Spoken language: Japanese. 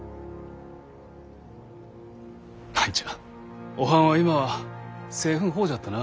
あいちゃおはんは今は政府ん方じゃったな。